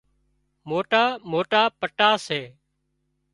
موٽا موٽا پٽا سي